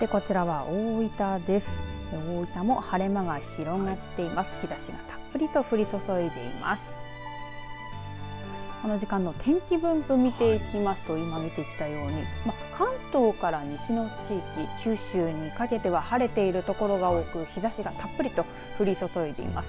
この時間の天気分布見ていきますと今、見てきたように関東から西の地域九州にかけては晴れている所が多く日ざしがたっぷりと降り注いでいます。